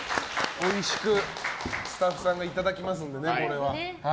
おいしくスタッフさんがいただきますのでね。